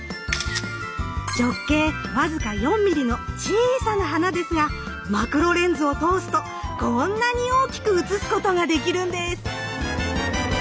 直径僅か４ｍｍの小さな花ですがマクロレンズを通すとこんなに大きく写すことができるんです！